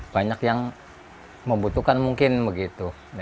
banyak yang membutuhkan mungkin begitu